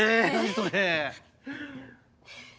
それ。